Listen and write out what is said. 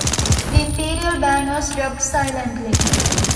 The imperial ban was dropped silently.